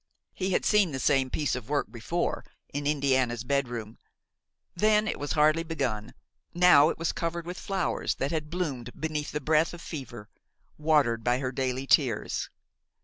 He had seen the same piece of work before, in Indiana's bedroom; then it was hardly begun, now it was covered with flowers that had bloomed beneath the breath of fever, watered by her daily tears.